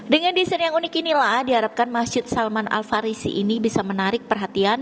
dengan desain yang unik inilah diharapkan masjid salman al farisi ini bisa menarik perhatian